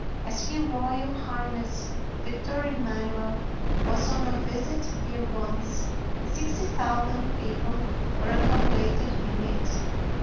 As his royal highness Victor Emanuel was on a visit here once, 60,000 people were accommodated in it.